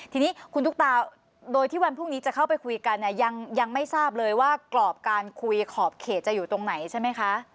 ทีนี้คุณตุ๊กตาโดยที่วันพรุ่งนี้จะเข้าไปคุยกันเนี่ยยังไม่ทราบเลยว่ากรอบการคุยขอบเขตจะอยู่ตรงไหนใช่ไหมคะ